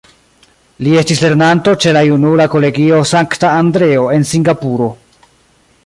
Li estis lernanto ĉe la Junula Kolegio Sankta Andreo en Singapuro.